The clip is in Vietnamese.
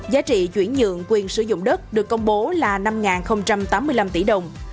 giá trị chuyển nhượng quyền sử dụng đất được công bố là năm tám mươi năm tỷ đồng